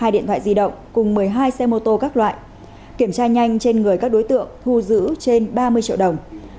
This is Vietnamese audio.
hai điện thoại di động cùng một mươi hai xe mô tô các loại kiểm tra nhanh trên người các đối tượng thu giữ trên ba mươi triệu đồng